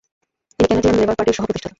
তিনি Canadian labour পার্টির সহ-প্রতিষ্ঠাতা।